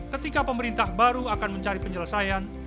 ketika pemerintah baru akan mencari penyelesaian